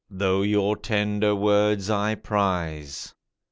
Though your tender words I prize.